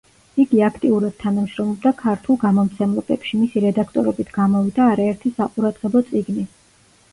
იგი აქტიურად თანამშრომლობდა ქართულ გამომცემლობებში, მისი რედაქტორობით გამოვიდა არაერთი საყურადღებო წიგნი.